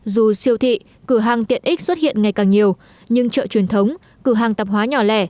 dù siêu thị cửa hàng tiện ích xuất hiện ngày càng nhiều nhưng chợ truyền thống cửa hàng tạp hóa nhỏ lẻ